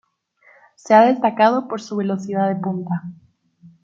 Se ha destacado por su velocidad de punta.